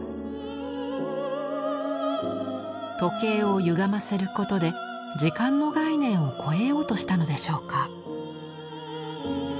時計をゆがませることで時間の概念を超えようとしたのでしょうか。